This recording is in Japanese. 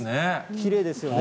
きれいですよね。